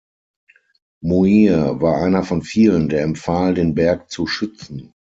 Muir war einer von vielen, der empfahl, den Berg zu schützen.